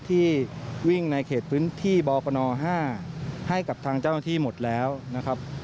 ที่วิ่งในเขตพื้นที่บกน๕ให้กับทางเจ้าหน้าที่หมดแล้วนะครับ